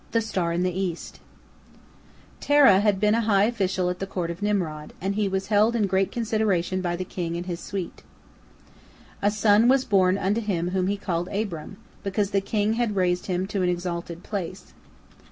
THE STAR IN THE EAST Terah had been a high official at the court of Nimrod, and he was held in great consideration by the king and his suite. A son was born unto him whom he called Abram, because the king had raised him to an exalted place.